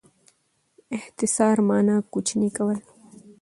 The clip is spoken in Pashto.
اختصار مانا؛ کوچنی کول.